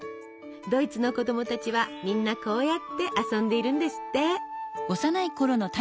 ドイツの子供たちはみんなこうやって遊んでいるんですって！